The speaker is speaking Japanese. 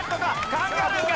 カンガルーか？